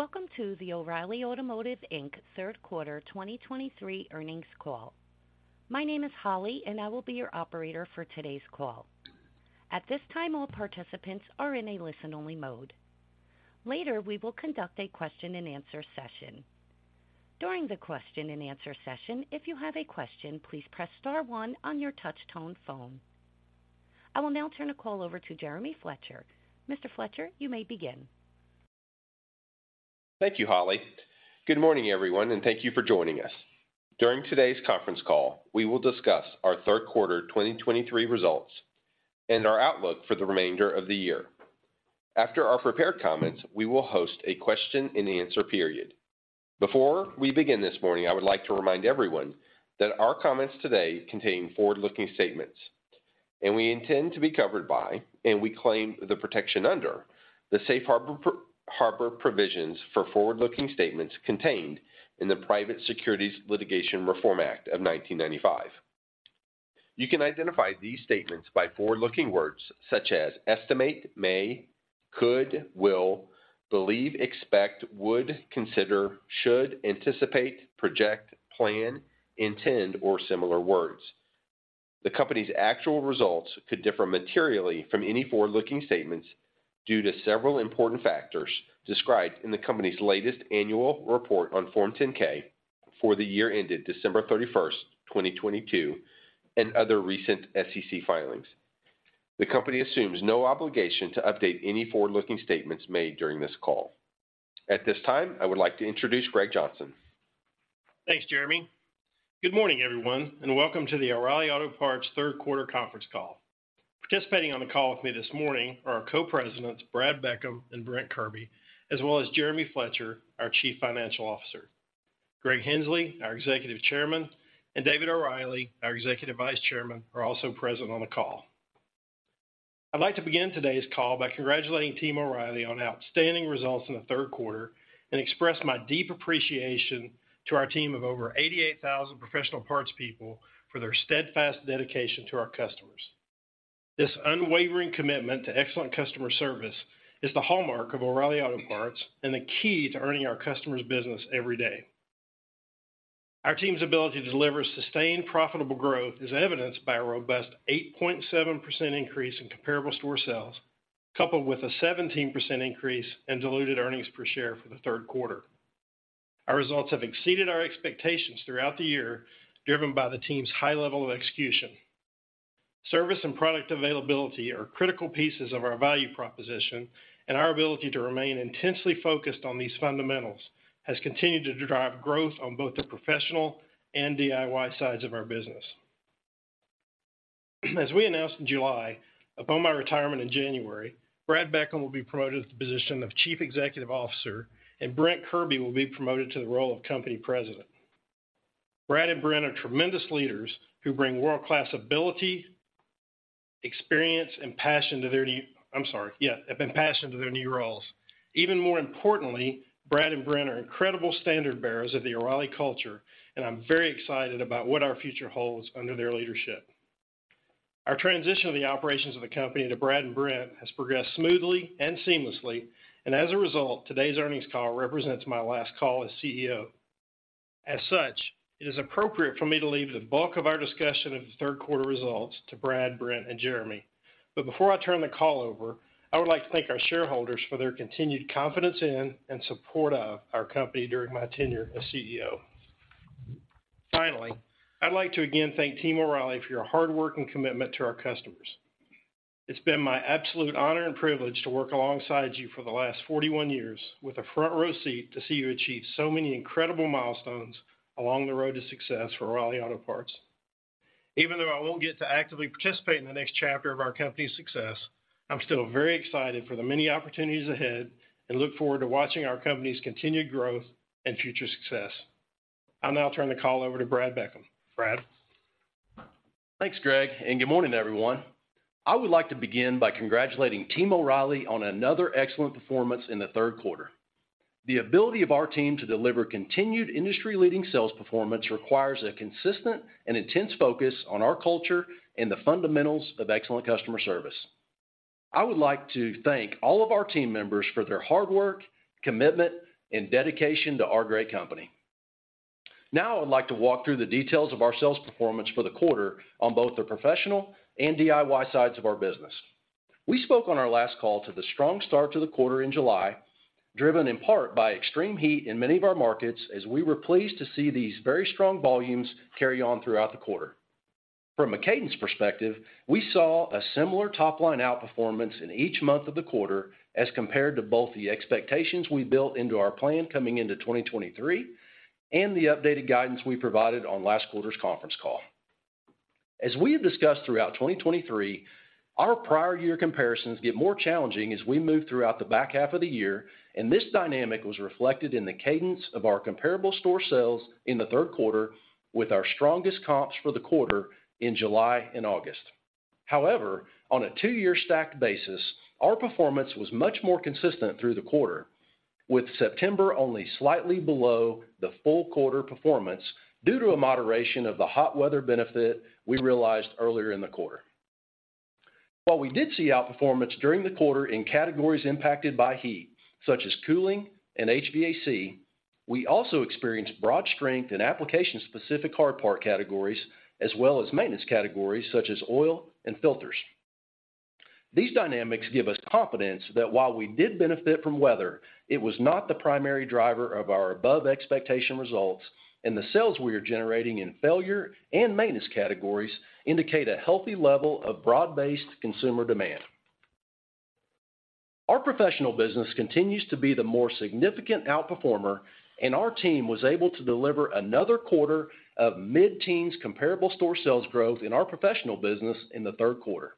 Welcome to the O'Reilly Automotive, Inc. third quarter 2023 earnings call. My name is Holly, and I will be your operator for today's call. At this time, all participants are in a listen-only mode. Later, we will conduct a question-and-answer session. During the question-and-answer session, if you have a question, please press star one on your touch tone phone. I will now turn the call over to Jeremy Fletcher. Mr. Fletcher, you may begin. Thank you, Holly. Good morning everyone, and thank you for joining us. During today's conference call, we will discuss our third quarter 2023 results and our outlook for the remainder of the year. After our prepared comments, we will host a question-and-answer period. Before we begin this morning, I would like to remind everyone that our comments today contain forward-looking statements, and we intend to be covered by, and we claim the protection under, the Safe Harbor Provisions for Forward-Looking Statements contained in the Private Securities Litigation Reform Act of 1995. You can identify these statements by forward-looking words such as estimate, may, could, will, believe, expect, would, consider, should, anticipate, project, plan, intend, or similar words. The Company's actual results could differ materially from any forward-looking statements due to several important factors described in the Company's latest annual report on Form 10-K for the year ended December 31, 2022, and other recent SEC filings. The Company assumes no obligation to update any forward-looking statements made during this call. At this time, I would like to introduce Greg Johnson. Thanks, Jeremy. Good morning, everyone, and welcome to the O'Reilly Auto Parts third quarter conference call. Participating on the call with me this morning are our Co-Presidents, Brad Beckham and Brent Kirby, as well as Jeremy Fletcher, our Chief Financial Officer. Greg Henslee, our Executive Chairman, and David O'Reilly, our Executive Vice Chairman, are also present on the call. I'd like to begin today's call by congratulating Team O'Reilly on outstanding results in the third quarter and express my deep appreciation to our team of over 88,000 professional parts people for their steadfast dedication to our customers. This unwavering commitment to excellent customer service is the hallmark of O'Reilly Auto Parts and the key to earning our customers' business every day. Our team's ability to deliver sustained, profitable growth is evidenced by a robust 8.7% increase in comparable store sales, coupled with a 17% increase in diluted earnings per share for the third quarter. Our results have exceeded our expectations throughout the year, driven by the team's high level of execution. Service and product availability are critical pieces of our value proposition, and our ability to remain intensely focused on these fundamentals has continued to drive growth on both the professional and DIY sides of our business. As we announced in July, upon my retirement in January, Brad Beckham will be promoted to the position of Chief Executive Officer, and Brent Kirby will be promoted to the role of Company President. Brad and Brent are tremendous leaders who bring world-class ability, experience, and passion to their new roles. Even more importantly, Brad and Brent are incredible standard-bearers of the O'Reilly culture, and I'm very excited about what our future holds under their leadership. Our transition of the operations of the company to Brad and Brent has progressed smoothly and seamlessly, and as a result, today's earnings call represents my last call as CEO. As such, it is appropriate for me to leave the bulk of our discussion of the third quarter results to Brad, Brent, and Jeremy. But before I turn the call over, I would like to thank our shareholders for their continued confidence in and support of our company during my tenure as CEO. Finally, I'd like to again thank Team O'Reilly for your hard work and commitment to our customers. It's been my absolute honor and privilege to work alongside you for the last 41 years with a front-row seat to see you achieve so many incredible milestones along the road to success for O'Reilly Auto Parts. Even though I won't get to actively participate in the next chapter of our company's success, I'm still very excited for the many opportunities ahead and look forward to watching our company's continued growth and future success. I'll now turn the call over to Brad Beckham. Brad? Thanks, Greg, and good morning, everyone. I would like to begin by congratulating Team O'Reilly on another excellent performance in the third quarter. The ability of our team to deliver continued industry-leading sales performance requires a consistent and intense focus on our culture and the fundamentals of excellent customer service. I would like to thank all of our team members for their hard work, commitment, and dedication to our great company. Now, I would like to walk through the details of our sales performance for the quarter on both the professional and DIY sides of our business. We spoke on our last call to the strong start to the quarter in July, driven in part by extreme heat in many of our markets, as we were pleased to see these very strong volumes carry on throughout the quarter. From a cadence perspective, we saw a similar top-line outperformance in each month of the quarter as compared to both the expectations we built into our plan coming into 2023 and the updated guidance we provided on last quarter's conference call. As we have discussed throughout 2023, our prior year comparisons get more challenging as we move throughout the back half of the year, and this dynamic was reflected in the cadence of our comparable store sales in the third quarter with our strongest comps for the quarter in July and August. However, on a two-year stacked basis, our performance was much more consistent through the quarter, with September only slightly below the full quarter performance due to a moderation of the hot weather benefit we realized earlier in the quarter. While we did see outperformance during the quarter in categories impacted by heat, such as cooling and HVAC, we also experienced broad strength in application-specific hard part categories, as well as maintenance categories such as oil and filters. These dynamics give us confidence that while we did benefit from weather, it was not the primary driver of our above-expectation results, and the sales we are generating in failure and maintenance categories indicate a healthy level of broad-based consumer demand. Our professional business continues to be the more significant out performer, and our team was able to deliver another quarter of mid-teens comparable store sales growth in our professional business in the third quarter.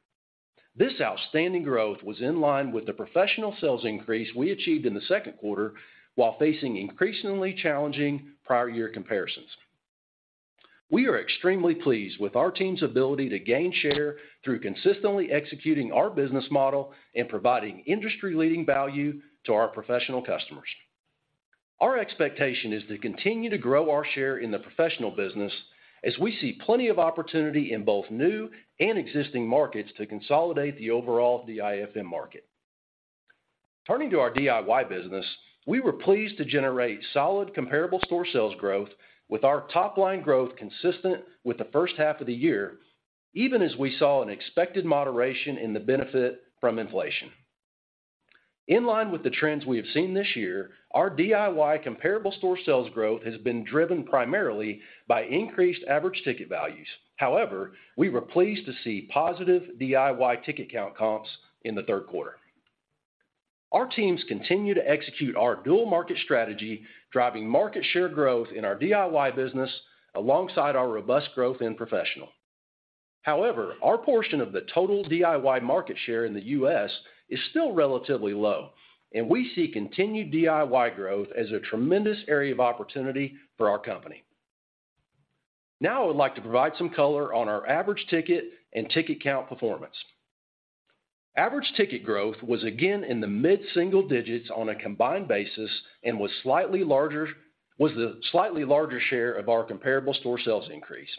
This outstanding growth was in line with the professional sales increase we achieved in the second quarter, while facing increasingly challenging prior year comparisons. We are extremely pleased with our team's ability to gain share through consistently executing our business model and providing industry-leading value to our professional customers. Our expectation is to continue to grow our share in the professional business as we see plenty of opportunity in both new and existing markets to consolidate the overall DIFM market. Turning to our DIY business, we were pleased to generate solid comparable store sales growth, with our top-line growth consistent with the first half of the year, even as we saw an expected moderation in the benefit from inflation. In line with the trends we have seen this year, our DIY comparable store sales growth has been driven primarily by increased average ticket values. However, we were pleased to see positive DIY ticket count comps in the third quarter. Our teams continue to execute our dual market strategy, driving market share growth in our DIY business alongside our robust growth in professional. However, our portion of the total DIY market share in the U.S. is still relatively low, and we see continued DIY growth as a tremendous area of opportunity for our company. Now, I would like to provide some color on our average ticket and ticket count performance. Average ticket growth was again in the mid-single digits on a combined basis and was the slightly larger share of our comparable store sales increase.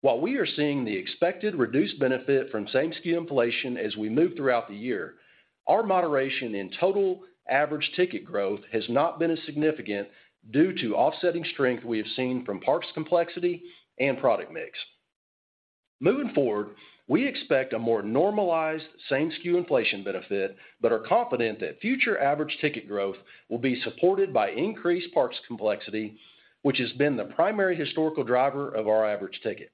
While we are seeing the expected reduced benefit from same-SKU inflation as we move throughout the year, our moderation in total average ticket growth has not been as significant due to offsetting strength we have seen from parts complexity and product mix. Moving forward, we expect a more normalized same-SKU inflation benefit, but are confident that future average ticket growth will be supported by increased parts complexity, which has been the primary historical driver of our average ticket.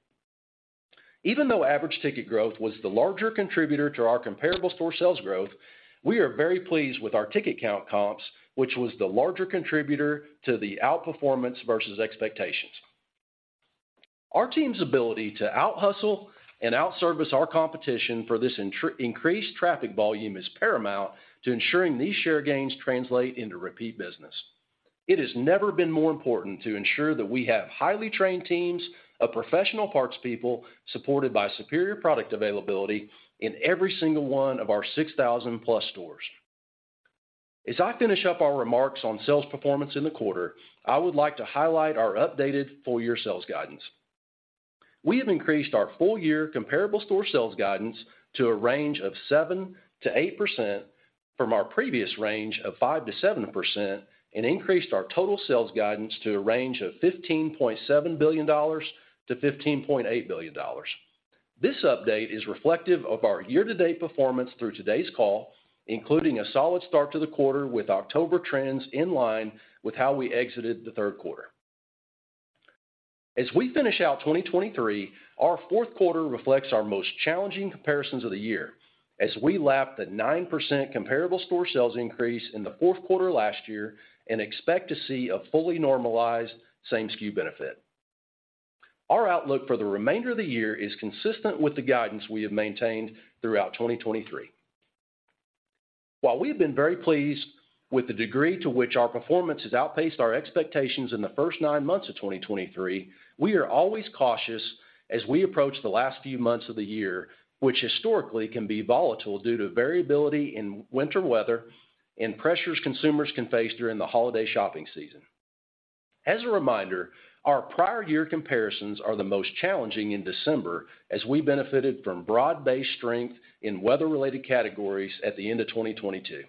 Even though average ticket growth was the larger contributor to our comparable store sales growth, we are very pleased with our ticket count comps, which was the larger contributor to the outperformance versus expectations. Our team's ability to outhustle and outservice our competition for this increased traffic volume is paramount to ensuring these share gains translate into repeat business. It has never been more important to ensure that we have highly trained teams of professional parts people, supported by superior product availability in every single one of our 6,000 plus stores. As I finish up our remarks on sales performance in the quarter, I would like to highlight our updated full-year sales guidance. We have increased our full-year comparable store sales guidance to a range of 7%-8% from our previous range of 5%-7%, and increased our total sales guidance to a range of $15.7 billion-$15.8 billion. This update is reflective of our year-to-date performance through today's call, including a solid start to the quarter with October trends in line with how we exited the third quarter. As we finish out 2023, our fourth quarter reflects our most challenging comparisons of the year, as we lap the 9% comparable store sales increase in the fourth quarter last year and expect to see a fully normalized same-SKU benefit. Our outlook for the remainder of the year is consistent with the guidance we have maintained throughout 2023. While we have been very pleased with the degree to which our performance has outpaced our expectations in the first nine months of 2023, we are always cautious as we approach the last few months of the year, which historically can be volatile due to variability in winter weather and pressures consumers can face during the holiday shopping season. As a reminder, our prior year comparisons are the most challenging in December, as we benefited from broad-based strength in weather-related categories at the end of 2022.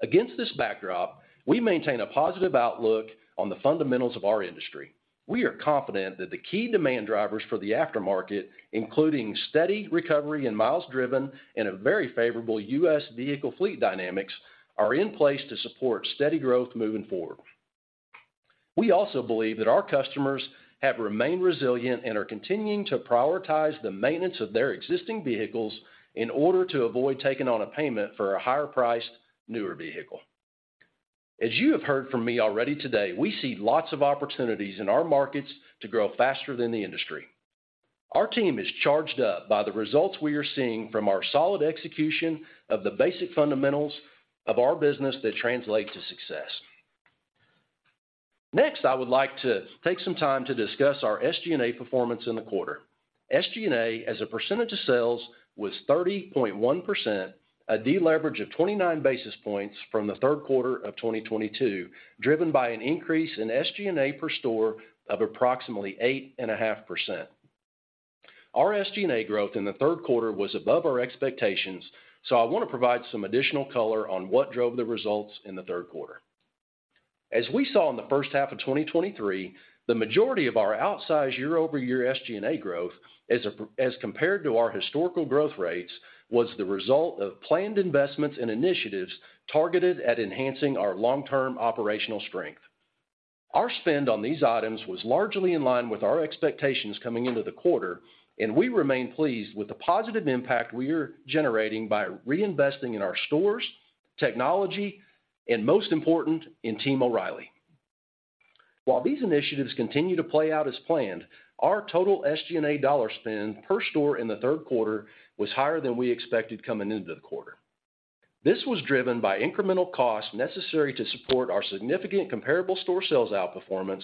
Against this backdrop, we maintain a positive outlook on the fundamentals of our industry. We are confident that the key demand drivers for the aftermarket, including steady recovery in miles driven and a very favorable U.S. vehicle fleet dynamics, are in place to support steady growth moving forward. We also believe that our customers have remained resilient and are continuing to prioritize the maintenance of their existing vehicles in order to avoid taking on a payment for a higher priced, newer vehicle. As you have heard from me already today, we see lots of opportunities in our markets to grow faster than the industry. Our team is charged up by the results we are seeing from our solid execution of the basic fundamentals of our business that translate to success. Next, I would like to take some time to discuss our SG&A performance in the quarter. SG&A, as a percentage of sales, was 30.1%, a deleverage rate of 29 basis points from the third quarter of 2022, driven by an increase in SG&A per store of approximately 8.5%. Our SG&A growth in the third quarter was above our expectations, so I want to provide some additional color on what drove the results in the third quarter. As we saw in the first half of 2023, the majority of our outsized year-over-year SG&A growth, as compared to our historical growth rates, was the result of planned investments and initiatives targeted at enhancing our long-term operational strength. Our spend on these items was largely in line with our expectations coming into the quarter, and we remain pleased with the positive impact we are generating by reinvesting in our stores, technology, and most important, in Team O'Reilly. While these initiatives continue to play out as planned, our total SG&A dollar spend per store in the third quarter was higher than we expected coming into the quarter. This was driven by incremental costs necessary to support our significant comparable store sales outperformance,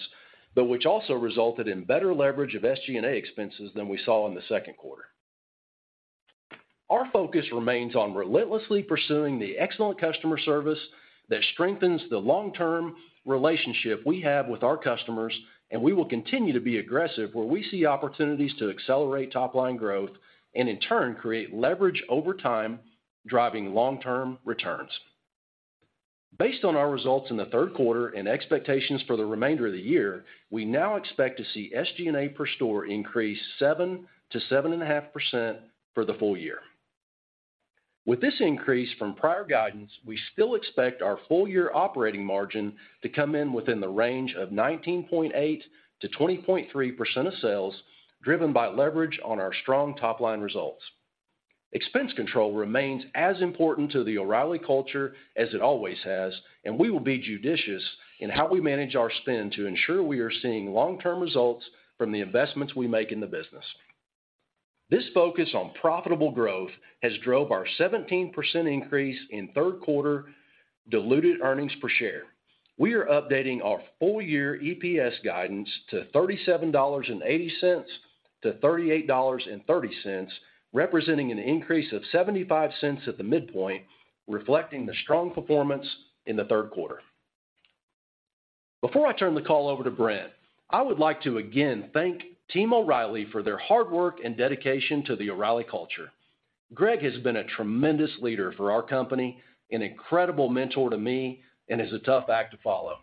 but which also resulted in better leverage of SG&A expenses than we saw in the second quarter. Our focus remains on relentlessly pursuing the excellent customer service that strengthens the long-term relationship we have with our customers, and we will continue to be aggressive where we see opportunities to accelerate top-line growth and, in turn, create leverage over time, driving long-term returns. Based on our results in the third quarter and expectations for the remainder of the year, we now expect to see SG&A per store increase 7%-7.5% for the full year. With this increase from prior guidance, we still expect our full year operating margin to come in within the range of 19.8%-20.3% of sales, driven by leverage on our strong top-line results. Expense control remains as important to the O'Reilly culture as it always has, and we will be judicious in how we manage our spend to ensure we are seeing long-term results from the investments we make in the business. This focus on profitable growth has drove our 17% increase in third quarter diluted earnings per share. We are updating our full year EPS guidance to $37.80 to $38.30, representing an increase of $0.75 at the midpoint, reflecting the strong performance in the third quarter. Before I turn the call over to Brent, I would like to again thank Team O'Reilly for their hard work and dedication to the O'Reilly culture. Greg has been a tremendous leader for our company, an incredible mentor to me, and is a tough act to follow.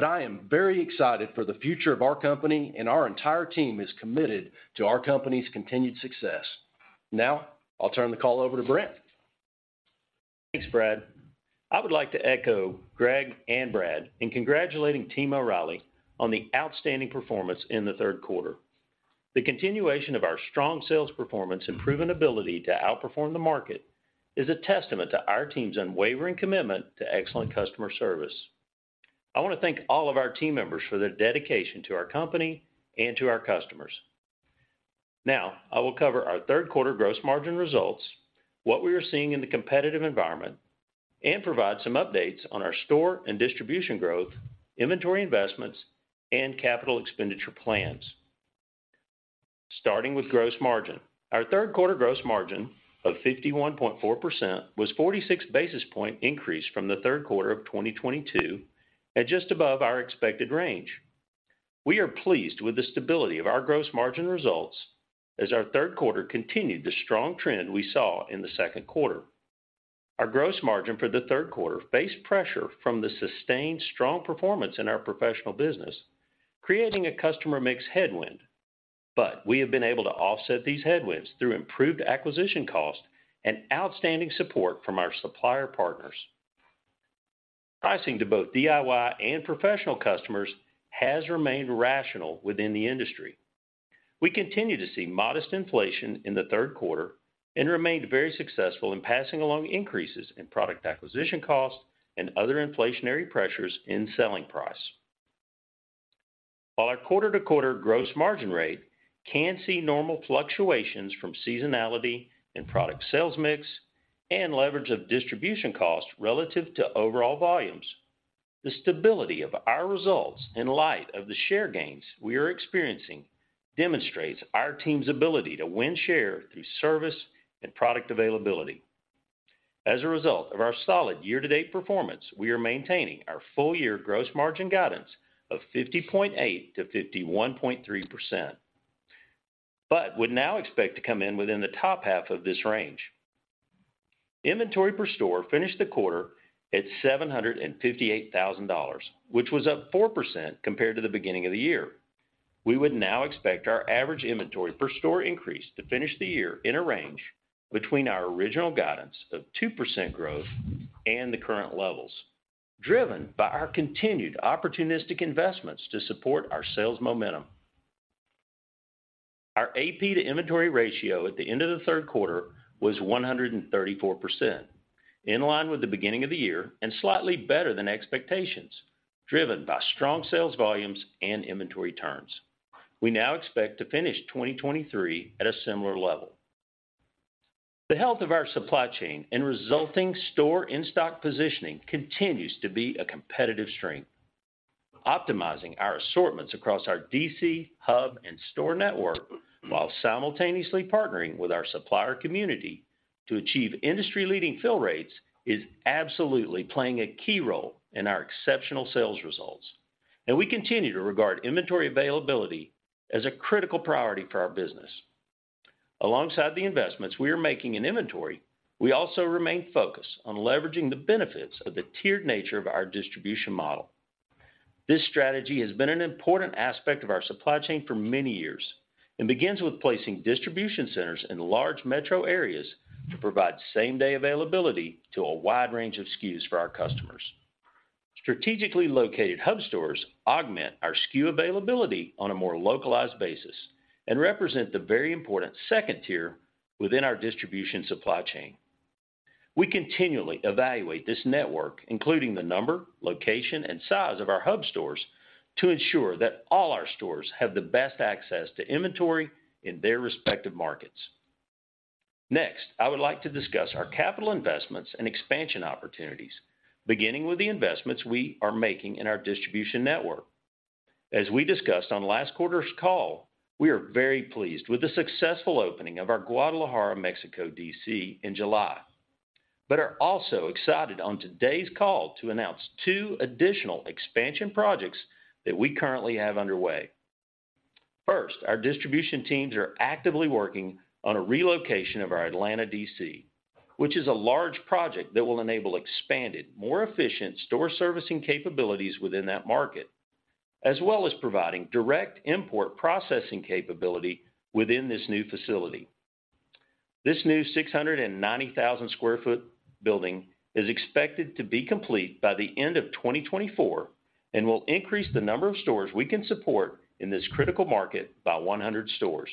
But I am very excited for the future of our company, and our entire team is committed to our company's continued success. Now, I'll turn the call over to Brent. Thanks, Brad. I would like to echo Greg and Brad in congratulating Team O'Reilly on the outstanding performance in the third quarter. The continuation of our strong sales performance and proven ability to outperform the market is a testament to our team's unwavering commitment to excellent customer service. I want to thank all of our team members for their dedication to our company and to our customers. Now, I will cover our third quarter gross margin results, what we are seeing in the competitive environment, and provide some updates on our store and distribution growth, inventory investments, and capital expenditure plans. Starting with gross margin. Our third quarter gross margin of 51.4% was 46 basis point increase from the third quarter of 2022, at just above our expected range. We are pleased with the stability of our gross margin results as our third quarter continued the strong trend we saw in the second quarter. Our gross margin for the third quarter faced pressure from the sustained, strong performance in our professional business, creating a customer mix headwind. But we have been able to offset these headwinds through improved acquisition cost and outstanding support from our supplier partners. Pricing to both DIY and professional customers has remained rational within the industry. We continue to see modest inflation in the third quarter and remained very successful in passing along increases in product acquisition costs and other inflationary pressures in selling price. While our quarter-to-quarter gross margin rate can see normal fluctuations from seasonality and product sales mix, and leverage of distribution costs relative to overall volumes, the stability of our results in light of the share gains we are experiencing demonstrates our team's ability to win share through service and product availability. As a result of our solid year-to-date performance, we are maintaining our full-year gross margin guidance of 50.8%-51.3%, but would now expect to come in within the top half of this range. Inventory per store finished the quarter at $758,000, which was up 4% compared to the beginning of the year. We would now expect our average inventory per store increase to finish the year in a range between our original guidance of 2% growth and the current levels, driven by our continued opportunistic investments to support our sales momentum. Our AP to Inventory Ratio at the end of the third quarter was 134%, in line with the beginning of the year and slightly better than expectations, driven by strong sales volumes and inventory turns. We now expect to finish 2023 at a similar level. The health of our supply chain and resulting store in-stock positioning continues to be a competitive strength. Optimizing our assortments across our DC, hub, and store network, while simultaneously partnering with our supplier community to achieve industry-leading fill rates, is absolutely playing a key role in our exceptional sales results. We continue to regard inventory availability as a critical priority for our business. Alongside the investments we are making in inventory, we also remain focused on leveraging the benefits of the tiered nature of our distribution model. This strategy has been an important aspect of our supply chain for many years and begins with placing distribution centers in large metro areas to provide same-day availability to a wide range of SKUs for our customers. Strategically located Hub stores augment our SKU availability on a more localized basis and represent the very important second tier within our distribution supply chain. We continually evaluate this network, including the number, location, and size of our Hub stores, to ensure that all our stores have the best access to inventory in their respective markets. Next, I would like to discuss our capital investments and expansion opportunities, beginning with the investments we are making in our distribution network. As we discussed on last quarter's call, we are very pleased with the successful opening of our Guadalajara, Mexico, D.C. in July, but are also excited on today's call to announce two additional expansion projects that we currently have underway. First, our distribution teams are actively working on a relocation of our Atlanta D.C., which is a large project that will enable expanded, more efficient store servicing capabilities within that market, as well as providing direct import processing capability within this new facility. This new 690,000 sq ft building is expected to be complete by the end of 2024 and will increase the number of stores we can support in this critical market by 100 stores.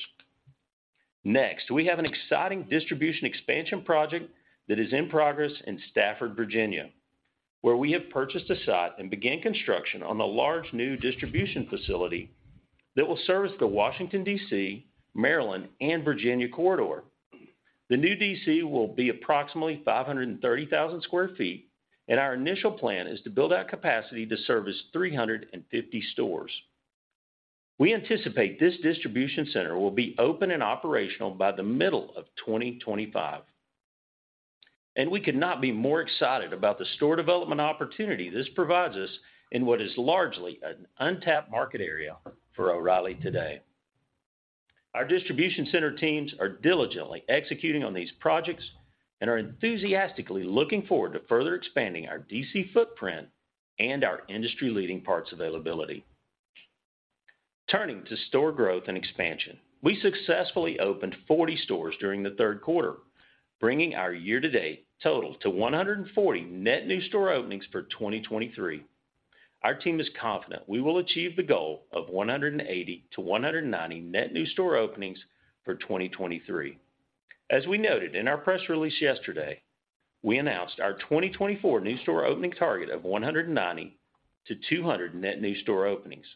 Next, we have an exciting distribution expansion project that is in progress in Stafford, Virginia, where we have purchased a site and began construction on the large new distribution facility that will service the Washington, D.C., Maryland, and Virginia corridor. The new DC will be approximately 530,000 sq ft, and our initial plan is to build out capacity to service 350 stores. We anticipate this distribution center will be open and operational by the middle of 2025, and we could not be more excited about the store development opportunity this provides us in what is largely an untapped market area for O'Reilly today. Our distribution center teams are diligently executing on these projects and are enthusiastically looking forward to further expanding our DC footprint and our industry-leading parts availability. Turning to store growth and expansion, we successfully opened 40 stores during the third quarter, bringing our year-to-date total to 140 net new store openings for 2023. Our team is confident we will achieve the goal of 180-190 net new store openings for 2023. As we noted in our press release yesterday, we announced our 2024 new store opening target of 190-200 net new store openings.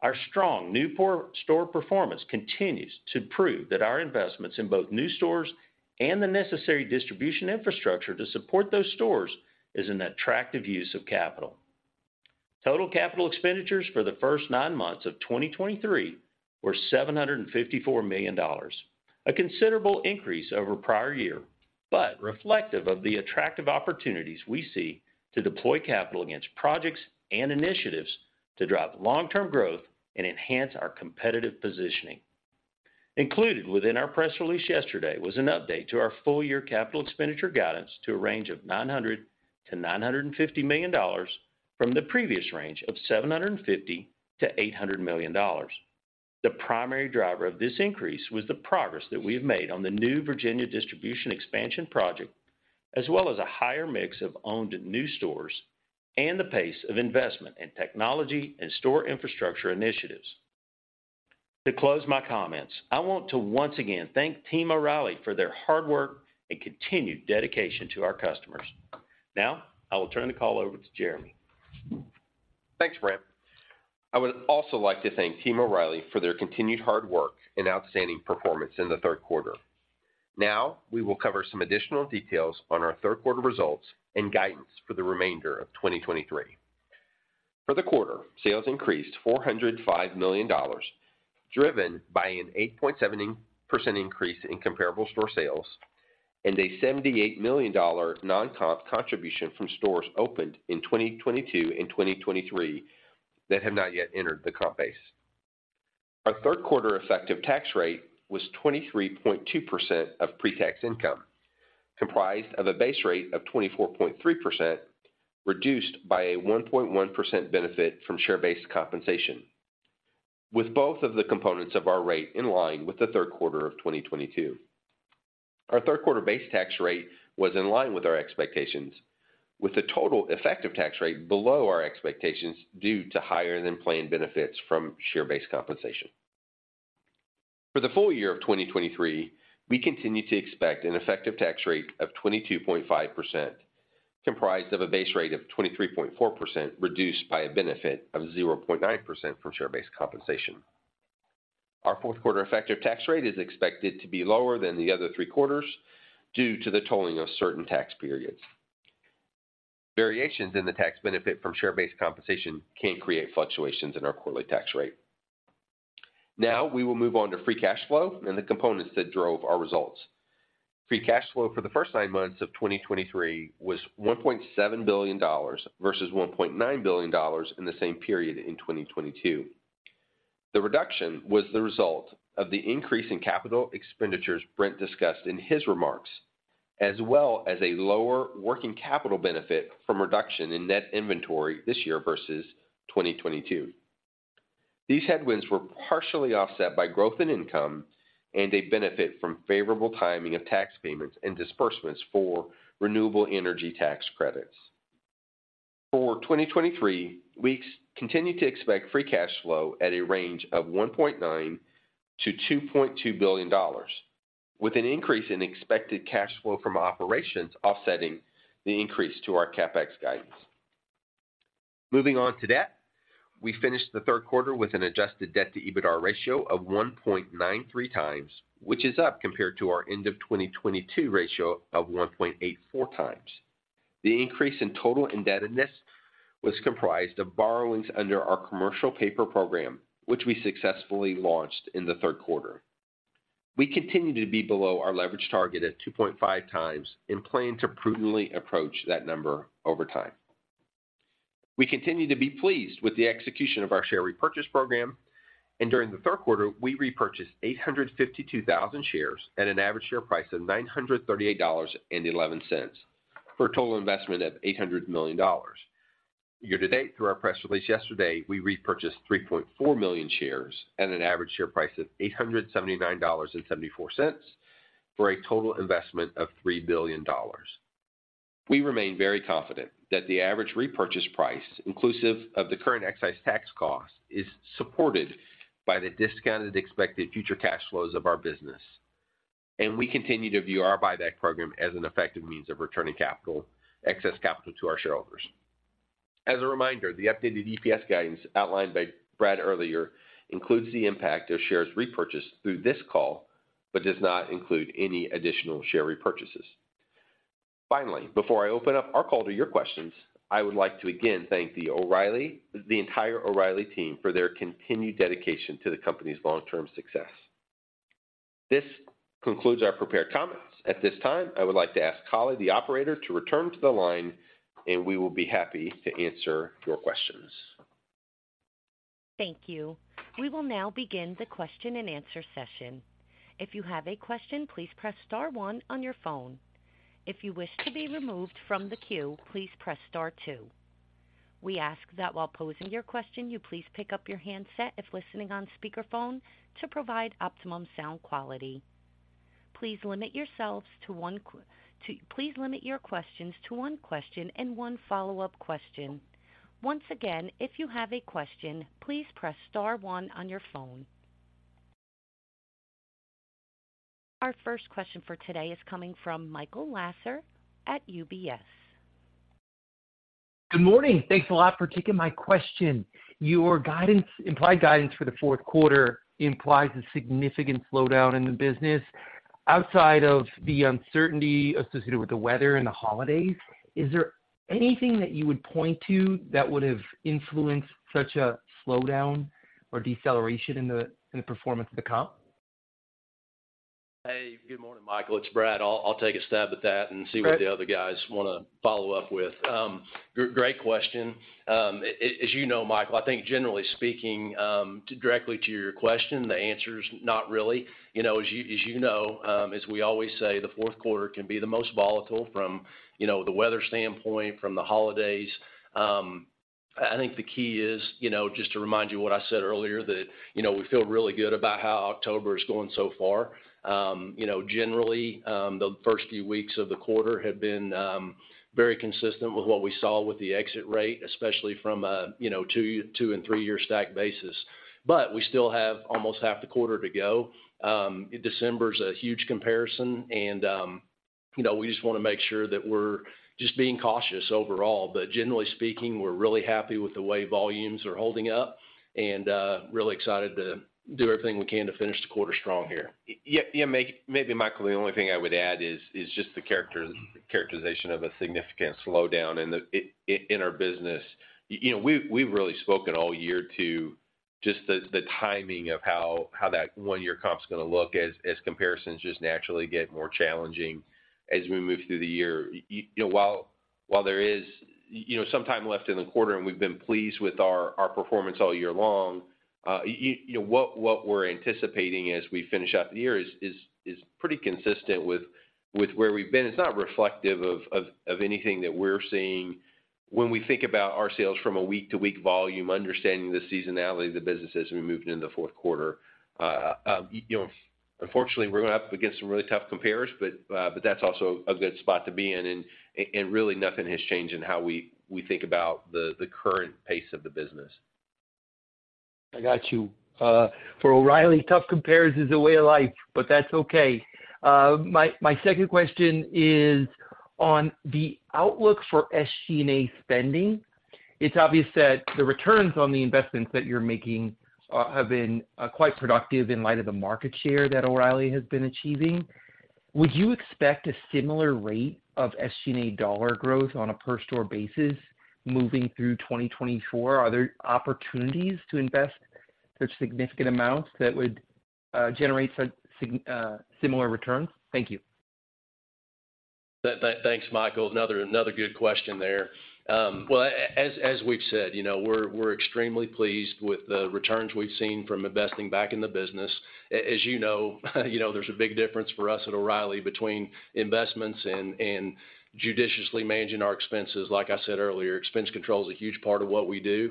Our strong new store performance continues to prove that our investments in both new stores and the necessary distribution infrastructure to support those stores is an attractive use of capital. Total capital expenditures for the first nine months of 2023 were $754 million, a considerable increase over prior year, but reflective of the attractive opportunities we see to deploy capital against projects and initiatives to drive long-term growth and enhance our competitive positioning. Included within our press release yesterday was an update to our full-year capital expenditure guidance to a range of $900 million-$950 million from the previous range of $750 million-$800 million. The primary driver of this increase was the progress that we've made on the new Virginia distribution expansion project, as well as a higher mix of owned new stores and the pace of investment in technology and store infrastructure initiatives. To close my comments, I want to once again thank Team O'Reilly for their hard work and continued dedication to our customers. Now, I will turn the call over to Jeremy. Thanks, Brent. I would also like to thank Team O'Reilly for their continued hard work and outstanding performance in the third quarter. Now, we will cover some additional details on our third quarter results and guidance for the remainder of 2023. For the quarter, sales increased $405 million, driven by an 8.7% increase in comparable store sales and a $78 million non-comp contribution from stores opened in 2022 and 2023 that have not yet entered the comp base. Our third quarter effective tax rate was 23.2% of pre-tax income, comprised of a base rate of 24.3%, reduced by a 1.1% benefit from share-based compensation, with both of the components of our rate in line with the third quarter of 2022. Our third quarter base tax rate was in line with our expectations, with the total effective tax rate below our expectations due to higher-than-planned benefits from share-based compensation. For the full year of 2023, we continue to expect an effective tax rate of 22.5%, comprised of a base rate of 23.4%, reduced by a benefit of 0.9% from share-based compensation. Our fourth quarter effective tax rate is expected to be lower than the other three quarters due to the totaling of certain tax periods. Variations in the tax benefit from share-based compensation can create fluctuations in our quarterly tax rate. Now, we will move on to free cash flow and the components that drove our results. Free cash flow for the first nine months of 2023 was $1.7 billion versus $1.9 billion in the same period in 2022. The reduction was the result of the increase in capital expenditures Brent discussed in his remarks, as well as a lower working capital benefit from reduction in net inventory this year versus 2022. These headwinds were partially offset by growth in income and a benefit from favorable timing of tax payments and disbursements for renewable energy tax credits. For 2023, we continue to expect free cash flow at a range of $1.9 billion-$2.2 billion, with an increase in expected cash flow from operations offsetting the increase to our CapEx guidance. Moving on to debt. We finished the third quarter with an adjusted debt to EBITDA ratio of 1.93x, which is up compared to our end of 2022 ratio of 1.84x. The increase in total indebtedness was comprised of borrowings under our commercial paper program, which we successfully launched in the third quarter. We continue to be below our leverage target at 2.5 times and plan to prudently approach that number over time. We continue to be pleased with the execution of our share repurchase program, and during the third quarter, we repurchased 852,000 shares at an average share price of $938.11, for a total investment of $800 million. Year to date, through our press release yesterday, we repurchased 3.4 million shares at an average share price of $879.74, for a total investment of $3 billion. We remain very confident that the average repurchase price, inclusive of the current excise tax cost, is supported by the discounted expected future cash flows of our business, and we continue to view our buyback program as an effective means of returning excess capital to our shareholders. As a reminder, the updated EPS guidance outlined by Brad earlier includes the impact of shares repurchased through this call but does not include any additional share repurchases. Finally, before I open up our call to your questions, I would like to again thank the entire O'Reilly team for their continued dedication to the company's long-term success. This concludes our prepared comments. At this time, I would like to ask Holly, the operator, to return to the line, and we will be happy to answer your questions. Thank you. We will now begin the question-and-answer session. If you have a question, please press star one on your phone. If you wish to be removed from the queue, please press star two. We ask that while posing your question, you please pick up your handset if listening on speakerphone, to provide optimum sound quality. Please limit your questions to one question and one follow-up question. Once again, if you have a question, please press star one on your phone. Our first question for today is coming from Michael Lasser at UBS. Good morning. Thanks a lot for taking my question. Your guidance, implied guidance for the fourth quarter, implies a significant slowdown in the business. Outside of the uncertainty associated with the weather and the holidays, is there anything that you would point to that would have influenced such a slowdown or deceleration in the performance of the comp? Hey, good morning, Michael. It's Brad. I'll take a stab at that and see what- Okay. - the other guys want to follow up with. Great question. As you know, Michael, I think generally speaking, directly to your question, the answer is not really. You know, as you know, as we always say, the fourth quarter can be the most volatile from, you know, the weather standpoint, from the holidays. I think the key is, you know, just to remind you what I said earlier, that, you know, we feel really good about how October is going so far. You know, generally, the first few weeks of the quarter have been, very consistent with what we saw with the exit rate, especially from a, you know, two- and three-year stack basis. But we still have almost half the quarter to go. December is a huge comparison, and, you know, we just want to make sure that we're just being cautious overall. But generally speaking, we're really happy with the way volumes are holding up and really excited to do everything we can to finish the quarter strong here. Yeah, yeah, maybe, Michael, the only thing I would add is just the characterization of a significant slowdown in our business. You know, we've really spoken all year to just the timing of how that one-year comp is going to look as comparisons just naturally get more challenging as we move through the year. You know, while there is, you know, some time left in the quarter, and we've been pleased with our performance all year long, you know, what we're anticipating as we finish out the year is pretty consistent with where we've been. It's not reflective of anything that we're seeing when we think about our sales from a week-to-week volume, understanding the seasonality of the business as we moved into the fourth quarter. You know, unfortunately, we're going to have to get some really tough compares, but that's also a good spot to be in, and really nothing has changed in how we think about the current pace of the business. I got you. For O'Reilly, tough compares is a way of life, but that's okay. My second question is on the outlook for SG&A spending. It's obvious that the returns on the investments that you're making have been quite productive in light of the market share that O'Reilly has been achieving. Would you expect a similar rate of SG&A dollar growth on a per store basis moving through 2024? Are there opportunities to invest such significant amounts that would generate such similar returns? Thank you. Thanks, Michael. Another good question there. Well, as we've said, you know, we're extremely pleased with the returns we've seen from investing back in the business. As you know, you know, there's a big difference for us at O'Reilly between investments and judiciously managing our expenses. Like I said earlier, expense control is a huge part of what we do.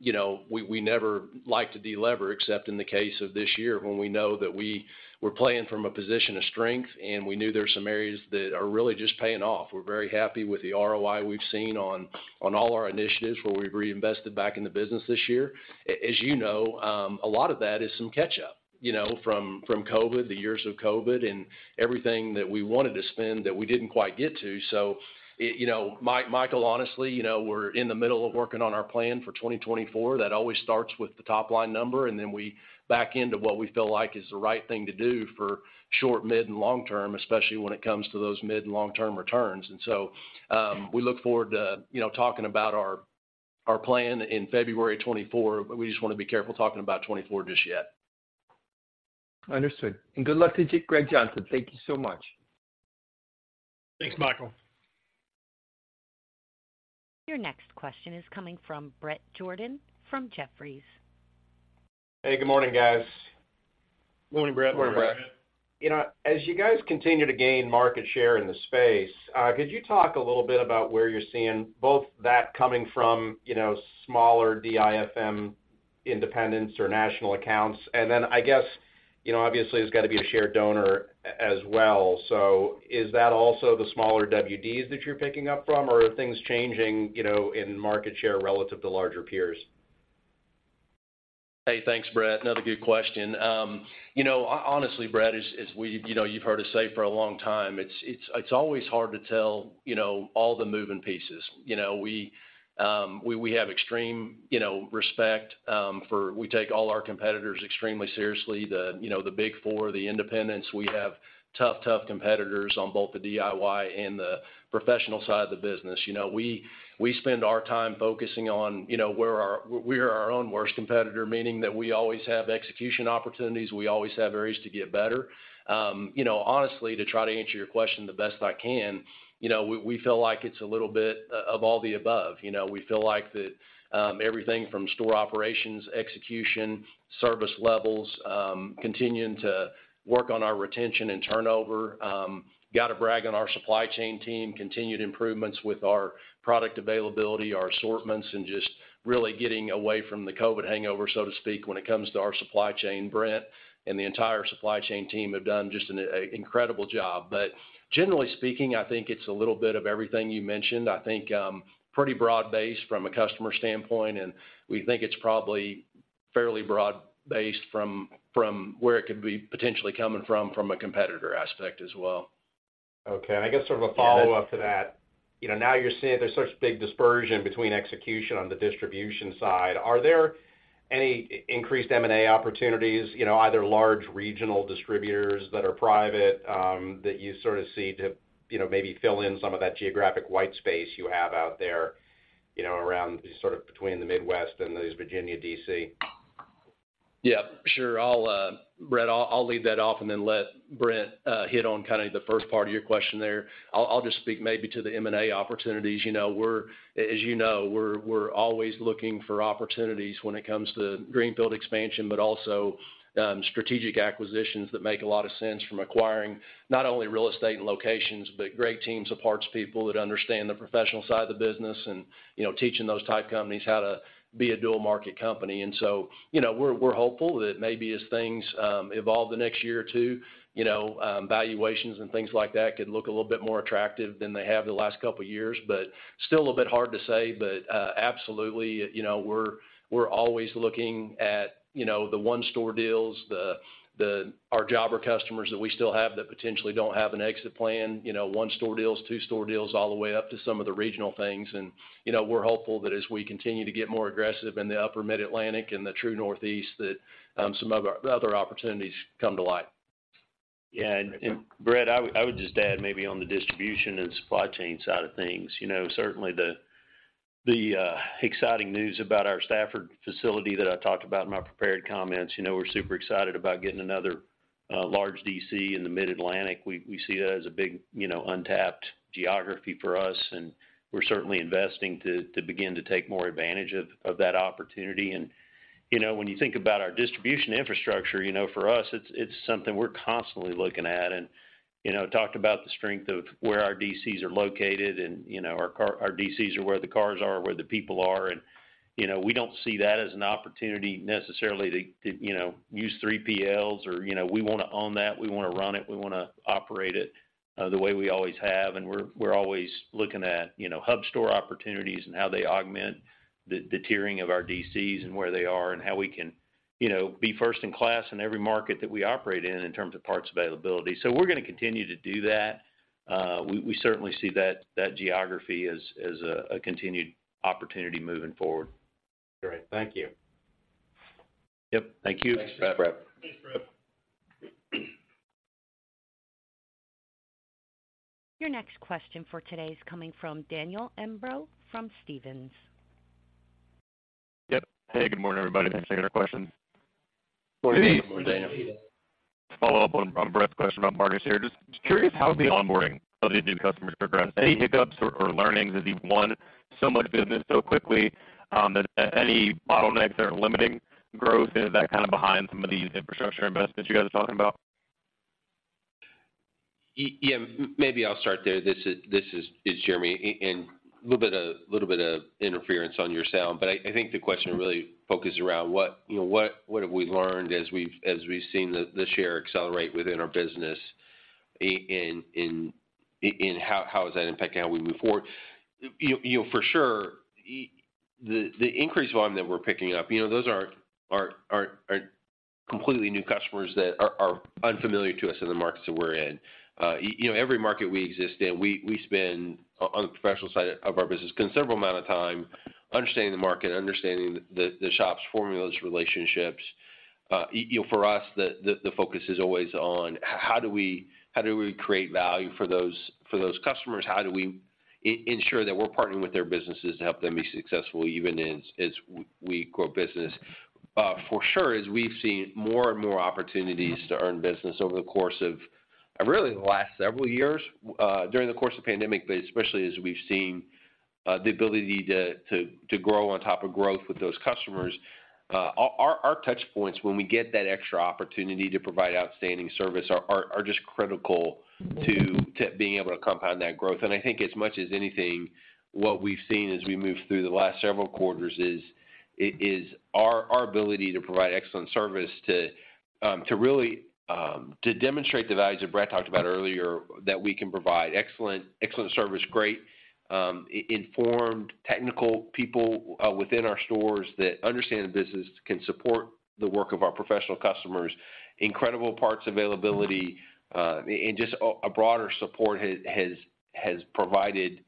You know, we never like to deliver, except in the case of this year, when we know that we were playing from a position of strength, and we knew there were some areas that are really just paying off. We're very happy with the ROI we've seen on all our initiatives, where we've reinvested back in the business this year. As you know, a lot of that is some catch-up, you know, from, from COVID, the years of COVID, and everything that we wanted to spend that we didn't quite get to. So, you know, Michael, honestly, you know, we're in the middle of working on our plan for 2024. That always starts with the top-line number, and then we back into what we feel like is the right thing to do for short, mid, and long term, especially when it comes to those mid and long-term returns. And so, we look forward to, you know, talking about our, our plan in February 2024, but we just wanna be careful talking about 2024 just yet. Understood. Good luck you did a great job. Thank you so much. Thanks, Michael. Your next question is coming from Bret Jordan, from Jefferies. Hey, good morning, guys. Morning, Bret. Morning, Bret. You know, as you guys continue to gain market share in the space, could you talk a little bit about where you're seeing both that coming from, you know, smaller DIFM independents or national accounts? And then, I guess, you know, obviously, there's got to be a shared donor as well. So is that also the smaller WDs that you're picking up from, or are things changing, you know, in market share relative to larger peers? Hey, thanks, Brett. Another good question. You know, honestly, Brett, as we—you know, you've heard us say for a long time, it's always hard to tell, you know, all the moving pieces. You know, we have extreme, you know, respect for—we take all our competitors extremely seriously. The, you know, the big four, the independents, we have tough, tough competitors on both the DIY and the professional side of the business. You know, we spend our time focusing on, you know, we're our—we are our own worst competitor, meaning that we always have execution opportunities, we always have areas to get better. You know, honestly, to try to answer your question the best I can, you know, we feel like it's a little bit of all the above. You know, we feel like that, everything from store operations, execution, service levels, continuing to work on our retention and turnover, got to brag on our supply chain team, continued improvements with our product availability, our assortments, and just really getting away from the COVID hangover, so to speak, when it comes to our supply chain. Brent and the entire supply chain team have done just an incredible job. But generally speaking, I think it's a little bit of everything you mentioned. I think, pretty broad-based from a customer standpoint, and we think it's probably fairly broad-based from where it could be potentially coming from, from a competitor aspect as well. Okay. And I guess sort of a follow-up to that, you know, now you're seeing there's such big dispersion between execution on the distribution side. Are there any increased M&A opportunities, you know, either large regional distributors that are private, that you sort of see, too, you know, maybe fill in some of that geographic white space you have out there, you know, around sort of between the Midwest and these Virginia, D.C.? Yeah, sure. I'll, Brett, I'll lead that off and then let Brent hit on kind of the first part of your question there. I'll just speak maybe to the M&A opportunities. You know, we're, as you know, we're always looking for opportunities when it comes to greenfield expansion, but also strategic acquisitions that make a lot of sense from acquiring not only real estate and locations, but great teams of parts people that understand the professional side of the business and, you know, teaching those type companies how to be a dual market company. And so, you know, we're hopeful that maybe as things evolve the next year or two, you know, valuations and things like that could look a little bit more attractive than they have the last couple of years. Still a little bit hard to say, but absolutely, you know, we're always looking at, you know, the one-store deals, our jobber customers that we still have, that potentially don't have an exit plan, you know, one-store deals, two-store deals, all the way up to some of the regional things. You know, we're hopeful that as we continue to get more aggressive in the upper Mid-Atlantic and the true Northeast, that some other opportunities come to light. Yeah, and, Bret, I would just add maybe on the distribution and supply chain side of things, you know, certainly the exciting news about our Stafford facility that I talked about in my prepared comments, you know, we're super excited about getting another large DC in the Mid-Atlantic. We see that as a big, you know, untapped geography for us, and we're certainly investing to begin to take more advantage of that opportunity. And, you know, when you think about our distribution infrastructure, you know, for us, it's something we're constantly looking at. You know, talked about the strength of where our DCs are located and, you know, our DCs are where the cars are, where the people are, and, you know, we don't see that as an opportunity necessarily to, you know, use 3PLs or you know, we wanna own that, we wanna run it, we wanna operate it, the way we always have. And we're always looking at, you know, hub store opportunities and how they augment the tiering of our DCs and where they are, and how we can, you know, be first in class in every market that we operate in, in terms of parts availability. So we're gonna continue to do that. We certainly see that geography as a continued opportunity moving forward. Great. Thank you. Yep, thank you, Bret. Thanks, Bret. Your next question for today is coming from Daniel Imbro from Stephens. Yep. Hey, good morning, everybody. Thanks for taking our questions. Good morning, Daniel. Follow up on Bret's question about market share. Just curious, how's the onboarding of the new customers progress? Any hiccups or learnings as you've won so much business so quickly, that any bottlenecks that are limiting growth, is that kind of behind some of the infrastructure investments you guys are talking about? Yeah, maybe I'll start there. This is Jeremy, and a little bit of interference on your sound, but I think the question really focused around what, you know, what have we learned as we've seen the share accelerate within our business, and how is that impacting how we move forward? You know, for sure, the increase volume that we're picking up, you know, those are completely new customers that are unfamiliar to us in the markets that we're in. You know, every market we exist in, we spend, on the professional side of our business, considerable amount of time understanding the market, understanding the shops, formulas, relationships. You know, for us, the focus is always on how do we create value for those customers? How do we ensure that we're partnering with their businesses to help them be successful, even as we grow business? For sure, as we've seen more and more opportunities to earn business over the course of, really the last several years, during the course of the pandemic, but especially as we've seen the ability to grow on top of growth with those customers, our touch points, when we get that extra opportunity to provide outstanding service are just critical to being able to compound that growth. And I think as much as anything, what we've seen as we move through the last several quarters is our ability to provide excellent service to really demonstrate the values that Bret talked about earlier, that we can provide excellent, excellent service, great informed technical people within our stores that understand the business, can support the work of our professional customers, incredible parts availability, and just a broader support has provided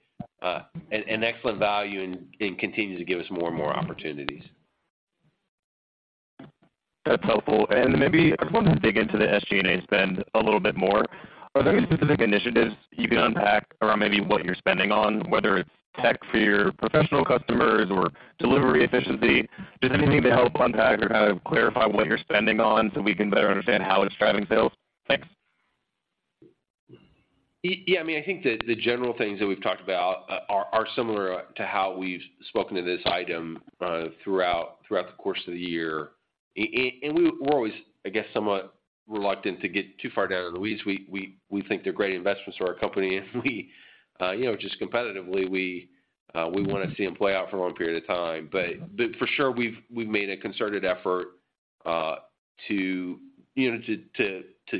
an excellent value and continues to give us more and more opportunities. That's helpful. And maybe I just want to dig into the SG&A spend a little bit more. Are there any specific initiatives you can unpack around maybe what you're spending on, whether it's tech for your professional customers or delivery efficiency? Just anything to help unpack or kind of clarify what you're spending on, so we can better understand how it's driving sales. Thanks. Yeah, I mean, I think the general things that we've talked about are similar to how we've spoken to this item throughout the course of the year. And we're always, I guess, somewhat reluctant to get too far down in the weeds. We think they're great investments for our company, and we, you know, just competitively, we want to see them play out for a long period of time. For sure, we've made a concerted effort to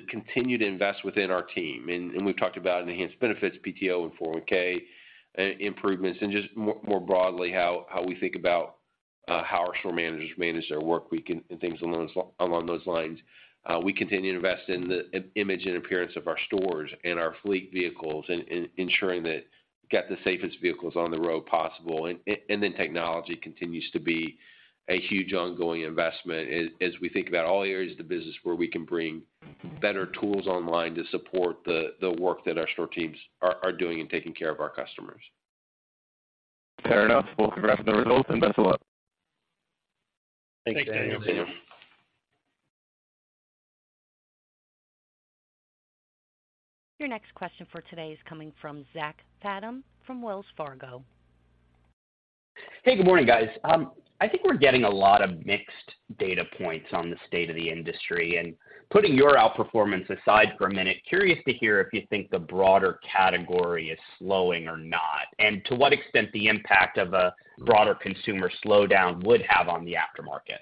continue to invest within our team. And we've talked about enhanced benefits, PTO and 401(k) improvements, and just more broadly, how we think about how our store managers manage their workweek and things along those lines. We continue to invest in the image and appearance of our stores and our fleet vehicles, and ensuring that we get the safest vehicles on the road possible. And then technology continues to be a huge ongoing investment as we think about all areas of the business where we can bring better tools online to support the work that our store teams are doing in taking care of our customers. Fair enough. We'll congratulate on the results, and thanks a lot. Thanks, Daniel. Your next question for today is coming from Zach Fadem from Wells Fargo. Hey, good morning, guys. I think we're getting a lot of mixed data points on the state of the industry, and putting your outperformance aside for a minute, curious to hear if you think the broader category is slowing or not, and to what extent the impact of a broader consumer slowdown would have on the aftermarket.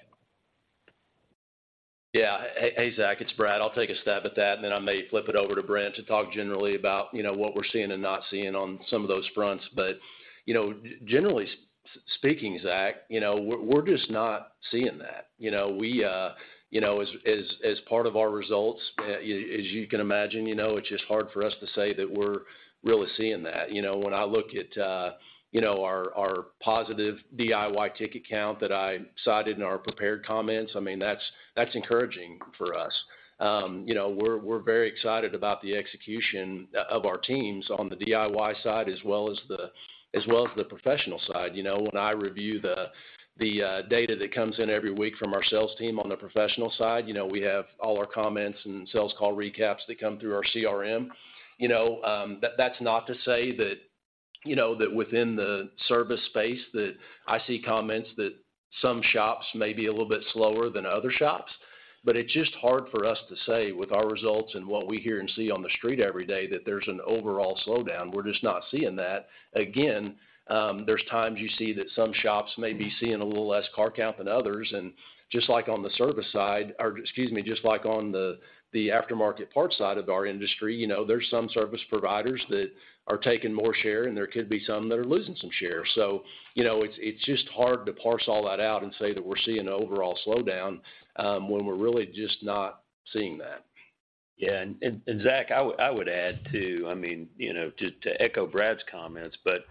Yeah. Hey, Zach, it's Brad. I'll take a stab at that, and then I may flip it over to Brent to talk generally about, you know, what we're seeing and not seeing on some of those fronts. But, you know, generally speaking, Zach, you know, we're just not seeing that. You know, we, you know, as part of our results, as you can imagine, you know, it's just hard for us to say that we're really seeing that. You know, when I look at, you know, our positive DIY ticket count that I cited in our prepared comments, I mean, that's encouraging for us. You know, we're very excited about the execution of our teams on the DIY side as well as the professional side. You know, when I review the data that comes in every week from our sales team on the professional side, you know, we have all our comments and sales call recaps that come through our CRM. You know, that's not to say that, you know, that within the service space, that I see comments that some shops may be a little bit slower than other shops, but it's just hard for us to say, with our results and what we hear and see on the street every day, that there's an overall slowdown. We're just not seeing that. Again, there's times you see that some shops may be seeing a little less car count than others, and just like on the service side, or excuse me, just like on the, the aftermarket parts side of our industry, you know, there's some service providers that are taking more share, and there could be some that are losing some share. So, you know, it's, it's just hard to parse all that out and say that we're seeing an overall slowdown, when we're really just not seeing that. Yeah, and Zach, I would add, too, I mean, you know, to echo Brad's comments, but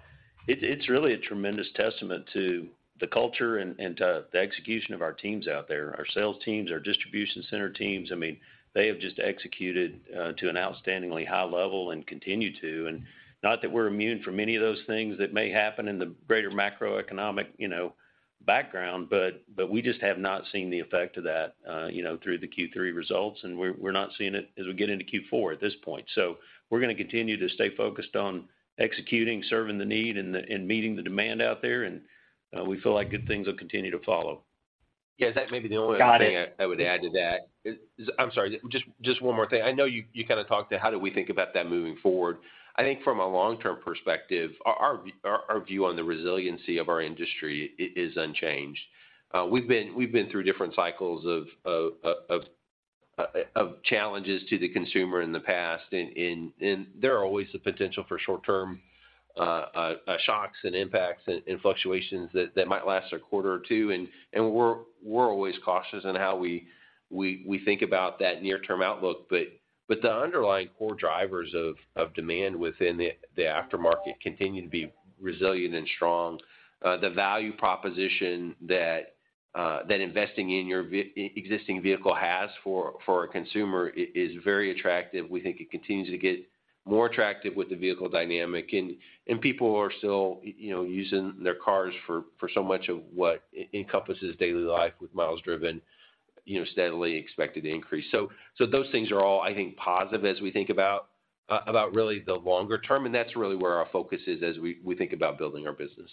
it's really a tremendous testament to the culture and to the execution of our teams out there, our sales teams, our distribution center teams. I mean, they have just executed to an outstandingly high level and continue to. And not that we're immune from any of those things that may happen in the greater macroeconomic, you know, background, but we just have not seen the effect of that, you know, through the Q3 results, and we're not seeing it as we get into Q4 at this point. So we're gonna continue to stay focused on executing, serving the need, and meeting the demand out there, and we feel like good things will continue to follow. Yeah, Zach, maybe the only thing- Got it. I would add to that is, I'm sorry, just, just one more thing. I know you, you kind of talked to how do we think about that moving forward. I think from a long-term perspective, our, our, our view on the resiliency of our industry is unchanged. We've been, we've been through different cycles of, of, of challenges to the consumer in the past, and there are always the potential for short-term shocks and impacts and fluctuations that might last a quarter or two, and we're, we're always cautious in how we, we, we think about that near-term outlook. The underlying core drivers of demand within the aftermarket continue to be resilient and strong. The value proposition that investing in your existing vehicle has for a consumer is very attractive. We think it continues to get more attractive with the vehicle dynamic, and people are still, you know, using their cars for so much of what encompasses daily life with miles driven, you know, steadily expected to increase. Those things are all, I think, positive as we think about really the longer term, and that's really where our focus is as we think about building our business.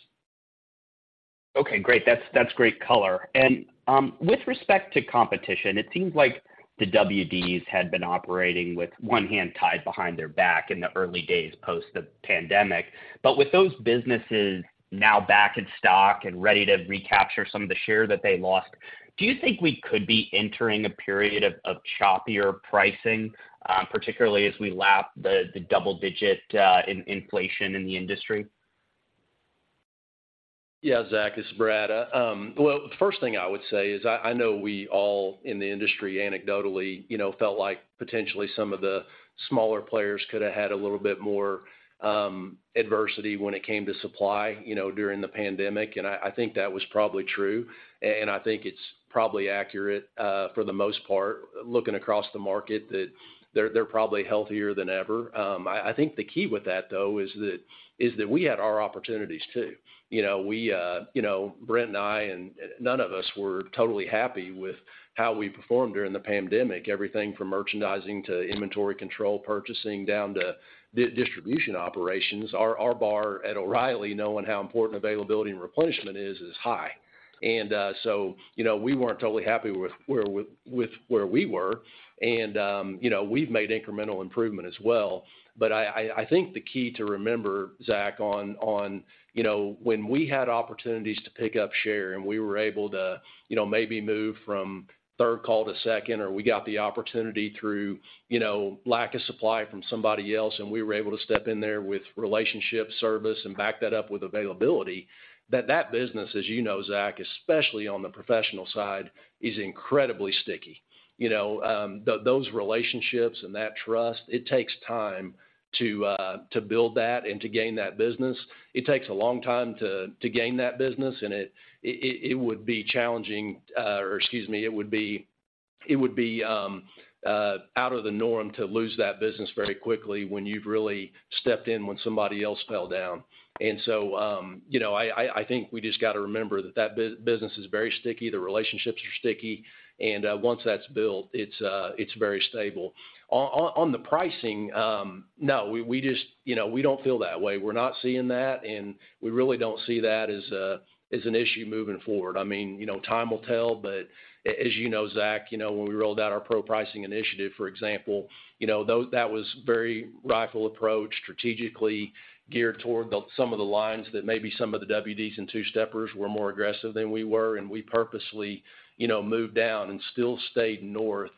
Okay, great. That's great color. And with respect to competition, it seems like the WDs had been operating with one hand tied behind their back in the early days, post the pandemic. But with those businesses now back in stock and ready to recapture some of the share that they lost, do you think we could be entering a period of choppier pricing, particularly as we lap the double-digit inflation in the industry? Yeah, Zach, this is Brad. Well, the first thing I would say is I know we all in the industry, anecdotally, you know, felt like potentially some of the smaller players could've had a little bit more adversity when it came to supply, you know, during the pandemic, and I think that was probably true. And I think it's probably accurate, for the most part, looking across the market, that they're probably healthier than ever. I think the key with that, though, is that we had our opportunities, too. You know, you know, Brent and I, and none of us were totally happy with how we performed during the pandemic. Everything from merchandising to inventory control, purchasing, down to distribution operations, our bar at O'Reilly, knowing how important availability and replenishment is, is high. So, you know, we weren't totally happy with where we were, and, you know, we've made incremental improvement as well. But I think the key to remember, Zach, on, you know, when we had opportunities to pick up share, and we were able to, you know, maybe move from third call to second, or we got the opportunity through, you know, lack of supply from somebody else, and we were able to step in there with relationship, service, and back that up with availability, that that business, as you know, Zach, especially on the professional side, is incredibly sticky. You know, those relationships and that trust, it takes time to build that and to gain that business. It takes a long time to gain that business, and it would be challenging, or excuse me, it would be out of the norm to lose that business very quickly when you've really stepped in when somebody else fell down. And so, you know, I think we just gotta remember that business is very sticky, the relationships are sticky, and once that's built, it's very stable. On the pricing, no, we just you know, we don't feel that way. We're not seeing that, and we really don't see that as an issue moving forward. I mean, you know, time will tell, but as you know, Zach, you know, when we rolled out our pro pricing initiative, for example, you know, that was very rifle approach, strategically geared toward the, some of the lines that maybe some of the WDs and two-steppers were more aggressive than we were, and we purposely, you know, moved down and still stayed north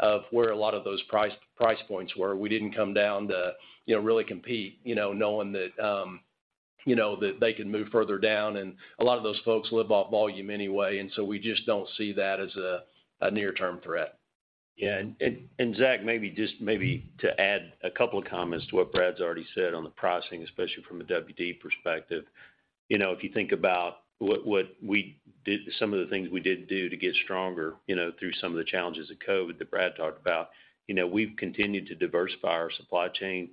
of where a lot of those price, price points were. We didn't come down to, you know, really compete, you know, knowing that, you know, that they can move further down, and a lot of those folks live off volume anyway, and so we just don't see that as a, a near-term threat. Yeah, Zach, maybe to add a couple of comments to what Brad's already said on the pricing, especially from a WD perspective. You know, if you think about what we did—some of the things we did do to get stronger, you know, through some of the challenges of COVID that Brad talked about, you know, we've continued to diversify our supply chain,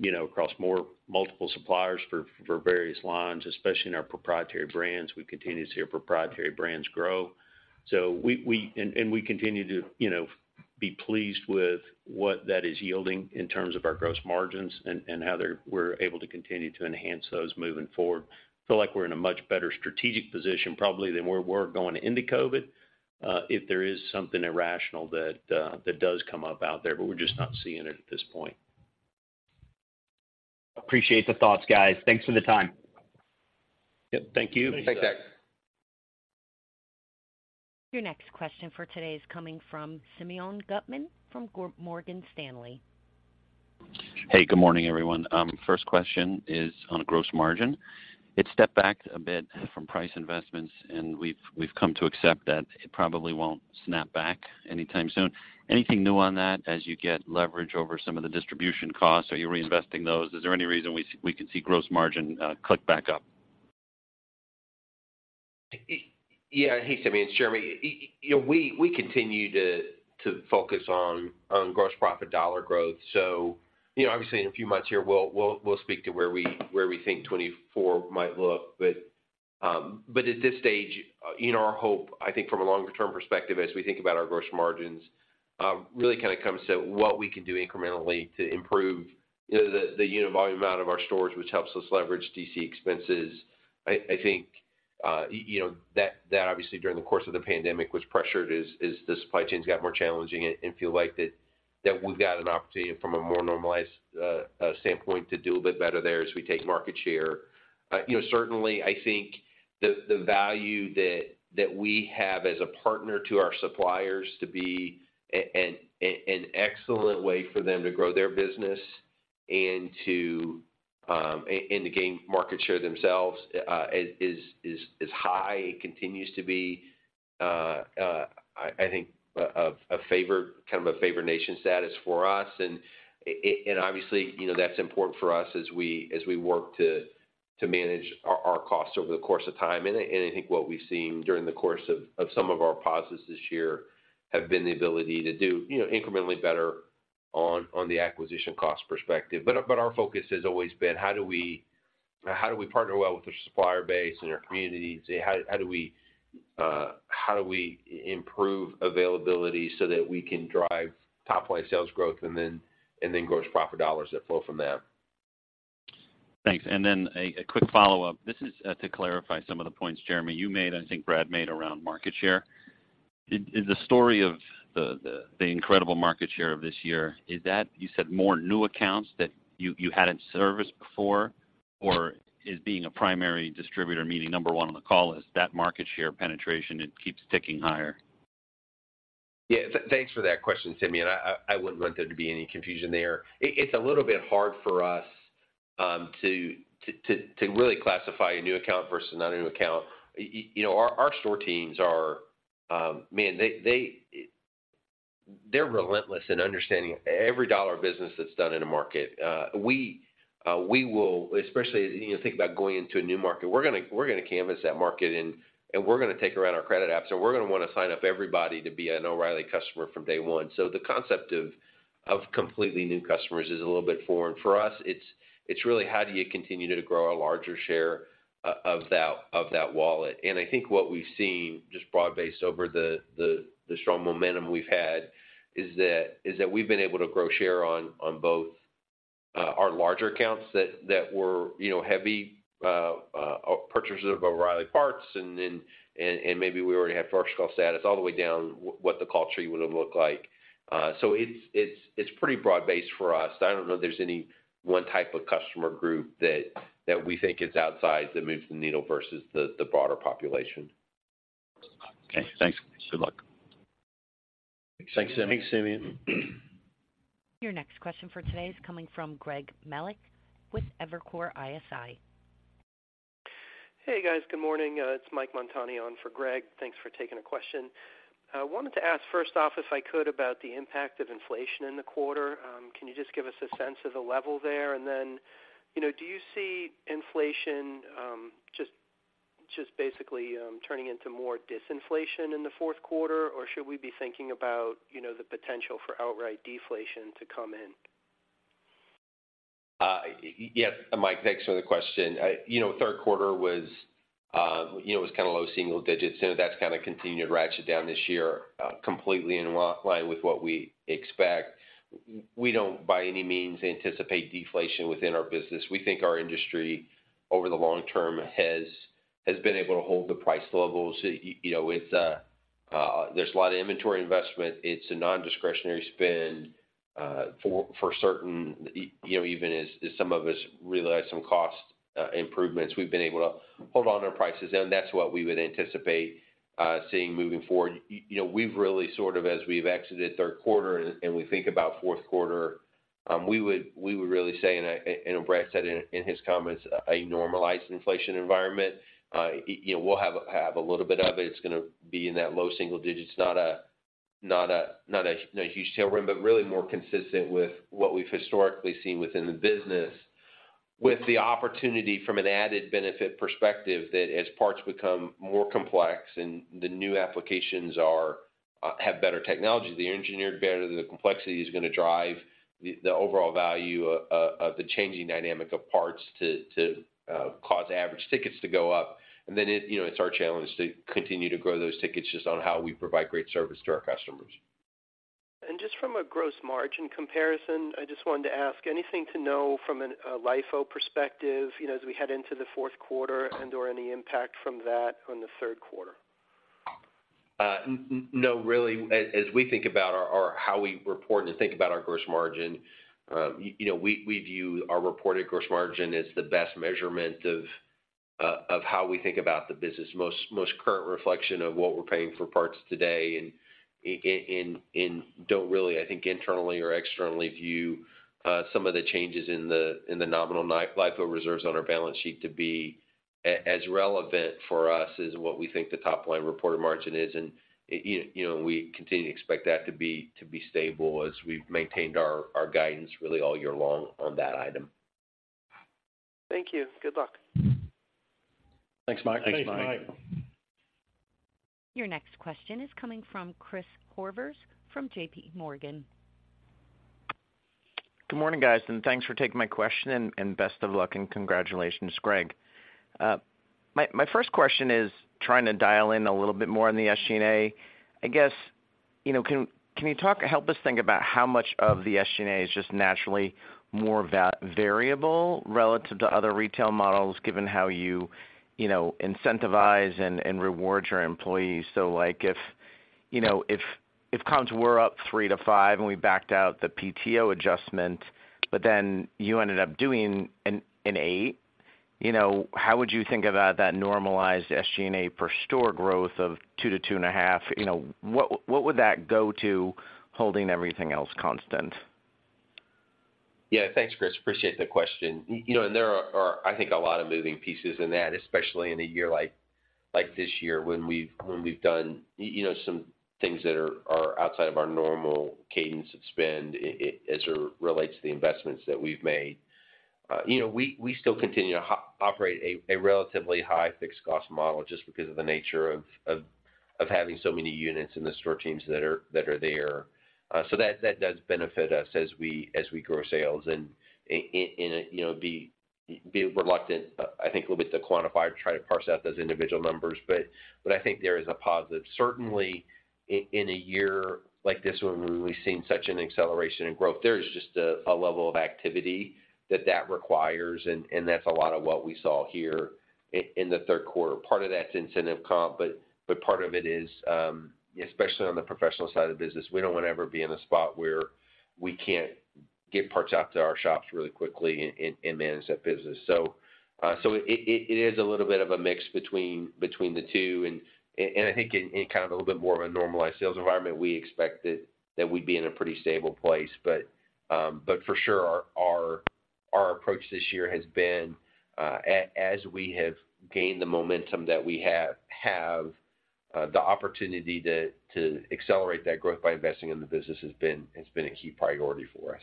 you know, across more multiple suppliers for various lines, especially in our proprietary brands. We've continued to see our proprietary brands grow. So we... And we continue to, you know, be pleased with what that is yielding in terms of our gross margins and how they're—we're able to continue to enhance those moving forward. Feel like we're in a much better strategic position, probably, than where we're going into COVID, that does come up out there, but we're just not seeing it at this point. Appreciate the thoughts, guys. Thanks for the time. Yep, thank you. Thanks, Zach. Your next question for today is coming from Simeon Gutman from Morgan Stanley. Hey, good morning, everyone. First question is on gross margin. It stepped back a bit from price investments, and we've come to accept that it probably won't snap back anytime soon. Anything new on that as you get leverage over some of the distribution costs? Are you reinvesting those? Is there any reason we can see gross margin click back up? Yeah. Hey, Simeon, Jeremy, you know, we continue to focus on gross profit dollar growth. So, you know, obviously, in a few months here, we'll speak to where we think 2024 might look. But, but at this stage, you know, our hope, I think from a longer-term perspective, as we think about our gross margins, really kind of comes to what we can do incrementally to improve, you know, the unit volume out of our stores, which helps us leverage DC expenses. I think, you know, that obviously, during the course of the pandemic was pressured as the supply chains got more challenging and feel like that we've got an opportunity from a more normalized standpoint to do a bit better there as we take market share. You know, certainly, I think the value that we have as a partner to our suppliers to be an excellent way for them to grow their business and to gain market share themselves is high. It continues to be, I think, kind of a favored nation status for us. And obviously, you know, that's important for us as we work to manage our costs over the course of time. And I think what we've seen during the course of some of our pauses this year have been the ability to do, you know, incrementally better on the acquisition cost perspective. But our focus has always been: how do we partner well with our supplier base and our community? How do we improve availability so that we can drive top-line sales growth and then gross profit dollars that flow from that? Thanks. And then a quick follow-up. This is to clarify some of the points, Jeremy, you made, and I think Brad made around market share. Is the story of the incredible market share of this year, is that you said more new accounts that you hadn't serviced before, or is being a primary distributor, meaning number one on the call, is that market share penetration, it keeps ticking higher? Yeah, thanks for that question, Simeon. I wouldn't want there to be any confusion there. It's a little bit hard for us to really classify a new account versus not a new account. You know, our store teams are relentless in understanding every dollar of business that's done in a market. We will, especially, you know, think about going into a new market. We're gonna canvas that market, and we're gonna take around our credit apps, and we're gonna wanna sign up everybody to be an O'Reilly customer from day one. So the concept of completely new customers is a little bit foreign. For us, it's really how do you continue to grow a larger share of that wallet? I think what we've seen, just broad-based over the strong momentum we've had, is that we've been able to grow share on both our larger accounts that were, you know, heavy purchasers of O'Reilly Parts, and then maybe we already had first call status all the way down what the call tree would have looked like. So it's pretty broad-based for us. I don't know if there's any one type of customer group that we think is outside that moves the needle versus the broader population. Okay, thanks. Good luck. Thanks, Simeon. Thanks, Simeon. Your next question for today is coming from Greg Melich with Evercore ISI. Hey, guys. Good morning, it's Mike Montani on for Greg. Thanks for taking the question. Wanted to ask, first off, if I could, about the impact of inflation in the quarter. Can you just give us a sense of the level there? And then, you know, do you see inflation just basically turning into more disinflation in the fourth quarter, or should we be thinking about, you know, the potential for outright deflation to come in? Yes, Mike, thanks for the question. You know, third quarter was kind of low single digits, and that's kind of continued to ratchet down this year, completely in line with what we expect. We don't, by any means, anticipate deflation within our business. We think our industry, over the long term, has been able to hold the price levels. You know, it's a, there's a lot of inventory investment. It's a non-discretionary spend for certain, you know, even as some of us realize some cost improvements, we've been able to hold on to our prices, and that's what we would anticipate seeing moving forward. You know, we've really sort of, as we've exited third quarter and we think about fourth quarter, we would really say, and Brad said in his comments, a normalized inflation environment. You know, we'll have a little bit of it. It's gonna be in that low single digits, not a huge tailwind, but really more consistent with what we've historically seen within the business. With the opportunity, from an added benefit perspective, that as parts become more complex and the new applications have better technology, they're engineered better, the complexity is gonna drive the overall value of the changing dynamic of parts to cause average tickets to go up. And then it, you know, it's our challenge to continue to grow those tickets just on how we provide great service to our customers. Just from a gross margin comparison, I just wanted to ask: anything to know from an LIFO perspective, you know, as we head into the fourth quarter and or any impact from that on the third quarter? No, really, as we think about our how we report and think about our gross margin, you know, we view our reported gross margin as the best measurement of how we think about the business. Most current reflection of what we're paying for parts today, and in, don't really, I think, internally or externally view some of the changes in the nominal LIFO reserves on our balance sheet to be as relevant for us as what we think the top-line reported margin is. And you know, we continue to expect that to be stable as we've maintained our guidance really all year long on that item. Thank you. Good luck. Thanks, Mike. Thanks, Mike. Your next question is coming from Chris Horvers from JPMorgan. Good morning, guys, and thanks for taking my question and best of luck, and congratulations, Greg. My first question is trying to dial in a little bit more on the SG&A. I guess, you know, can you talk—help us think about how much of the SG&A is just naturally more variable relative to other retail models, given how you, you know, incentivize and reward your employees? Like, if, you know, if comps were up 3%-5%, and we backed out the PTO adjustment, but then you ended up doing an 8%, you know, how would you think about that normalized SG&A per store growth of 2%-2.5%? You know, what would that go to holding everything else constant? Yeah. Thanks, Chris. Appreciate the question. You know, and there are, I think, a lot of moving pieces in that, especially in a year like this year, when we've done, you know, some things that are outside of our normal cadence of spend, as it relates to the investments that we've made. You know, we still continue to operate a relatively high fixed cost model just because of the nature of having so many units and the store teams that are there. So that does benefit us as we grow sales. In a, you know, be reluctant, I think a little bit to quantify or try to parse out those individual numbers, but I think there is a positive. Certainly, in a year like this one, when we've seen such an acceleration in growth, there is just a level of activity that requires, and that's a lot of what we saw here in the third quarter. Part of that's incentive comp, but part of it is, especially on the professional side of the business, we don't want to ever be in a spot where we can't get parts out to our shops really quickly and manage that business. So, it is a little bit of a mix between the two, and I think in kind of a little bit more of a normalized sales environment, we expect that we'd be in a pretty stable place. For sure, our approach this year has been, as we have gained the momentum that we have, the opportunity to accelerate that growth by investing in the business has been a key priority for us.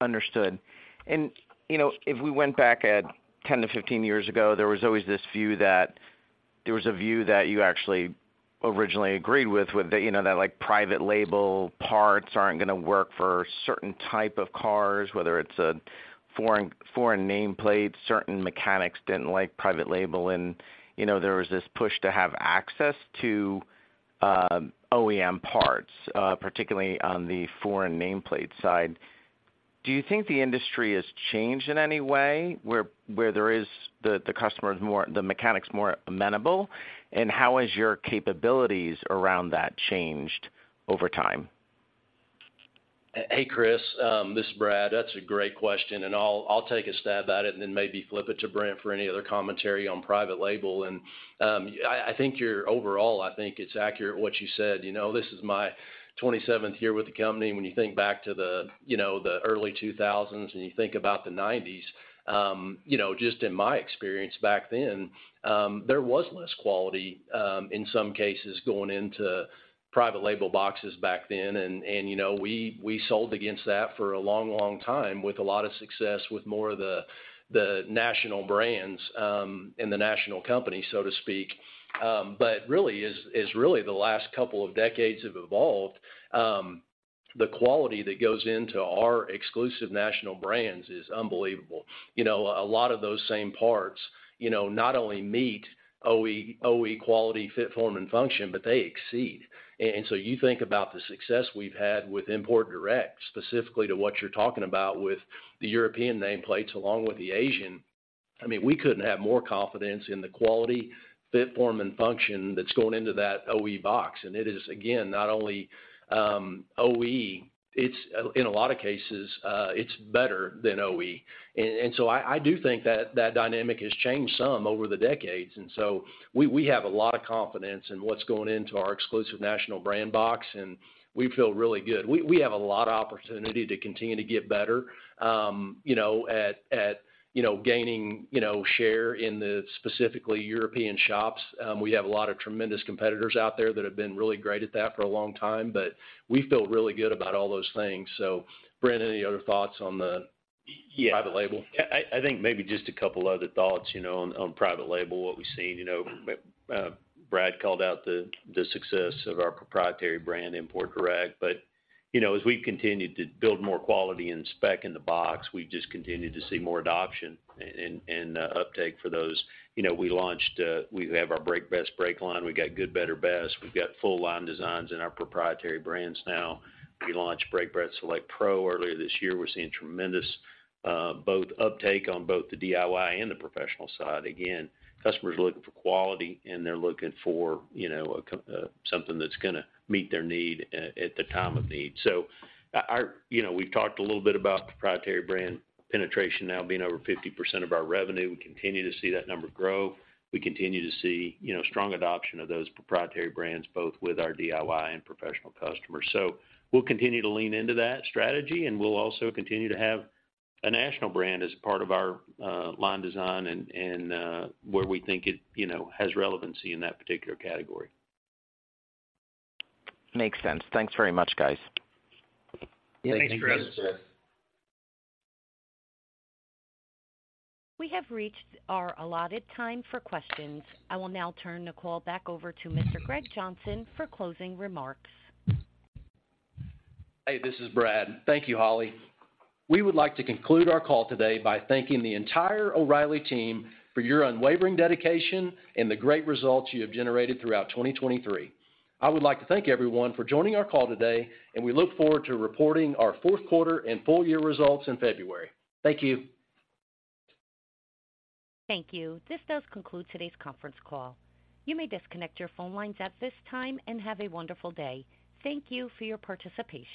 Understood. You know, if we went back 10-15 years ago, there was always this view that there was a view that you actually originally agreed with, with the, you know, that, like, private label parts aren't gonna work for certain type of cars, whether it's a foreign nameplate, certain mechanics didn't like private label, and, you know, there was this push to have access to OEM parts, particularly on the foreign nameplate side. Do you think the industry has changed in any way, where there is the customer is more, the mechanic's more amenable? And how has your capabilities around that changed over time? Hey, Chris, this is Brad. That's a great question, and I'll take a stab at it and then maybe flip it to Brent for any other commentary on private label. I think you're overall, I think it's accurate what you said. You know, this is my 27th year with the company. When you think back to the early 2000s and you think about the '90s, you know, just in my experience back then, there was less quality in some cases going into private label boxes back then. And, you know, we sold against that for a long, long time with a lot of success, with more of the national brands and the national companies, so to speak. But really, as really the last couple of decades have evolved, the quality that goes into our exclusive national brands is unbelievable. You know, a lot of those same parts, you know, not only meet OE quality, fit, form, and function, but they exceed. And so you think about the success we've had with Import Direct, specifically to what you're talking about with the European nameplates, along with the Asian. I mean, we couldn't have more confidence in the quality, fit, form, and function that's going into that OE box. And it is, again, not only OE, it's in a lot of cases, it's better than OE. And so I do think that dynamic has changed some over the decades, and so we have a lot of confidence in what's going into our exclusive national brand box, and we feel really good. We have a lot of opportunity to continue to get better, you know, at gaining you know, share in the specifically European shops. We have a lot of tremendous competitors out there that have been really great at that for a long time, but we feel really good about all those things. So, Brent, any other thoughts on the- Yeah private label? I think maybe just a couple other thoughts, you know, on private label, what we've seen. You know, Brad called out the success of our proprietary brand, Import Direct. But, you know, as we continue to build more quality and spec in the box, we've just continued to see more adoption and uptake for those. You know, we launched, we have our BrakeBest brake line. We've got good, better, best. We've got full line designs in our proprietary brands now. We launched BrakeBest Select Pro earlier this year. We're seeing tremendous both uptake on both the DIY and the professional side. Again, customers are looking for quality, and they're looking for, you know, something that's gonna meet their need at the time of need. So our... You know, we've talked a little bit about proprietary brand penetration now being over 50% of our revenue. We continue to see that number grow. We continue to see, you know, strong adoption of those proprietary brands, both with our DIY and professional customers. So we'll continue to lean into that strategy, and we'll also continue to have a national brand as a part of our line design and where we think it, you know, has relevancy in that particular category. Makes sense. Thanks very much, guys. Thanks, Chris. Thanks, Chris. We have reached our allotted time for questions. I will now turn the call back over to Mr. Greg Johnson for closing remarks. Hey, this is Brad. Thank you, Holly. We would like to conclude our call today by thanking the entire O'Reilly team for your unwavering dedication and the great results you have generated throughout 2023. I would like to thank everyone for joining our call today, and we look forward to reporting our fourth quarter and full year results in February. Thank you. Thank you. This does conclude today's conference call. You may disconnect your phone lines at this time, and have a wonderful day. Thank you for your participation.